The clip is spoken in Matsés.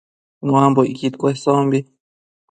Nuambocquid cuesombi